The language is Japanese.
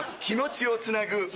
気持ちをつなぐ。